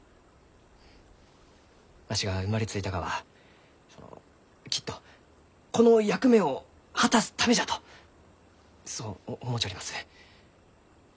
わしが生まれついたがはそのきっとこの役目を果たすためじゃとそう思うちょります。